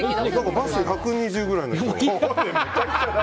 バスト１２０ぐらいの人。